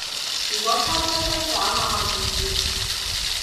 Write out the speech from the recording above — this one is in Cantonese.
如果他真的找我問意見